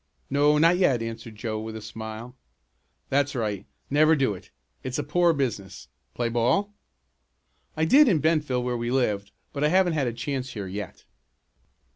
"No, not yet," answered Joe with a smile. "That's right never do it. It's a poor business. Play ball?" "I did in Bentville where we lived, but I haven't had a chance here yet."